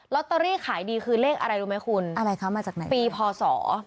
ตอรี่ขายดีคือเลขอะไรรู้ไหมคุณอะไรคะมาจากไหนปีพศ